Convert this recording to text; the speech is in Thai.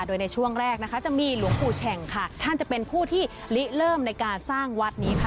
โดยในช่วงแรกนะคะจะมีหลวงปู่แฉ่งค่ะท่านจะเป็นผู้ที่ลิเริ่มในการสร้างวัดนี้ค่ะ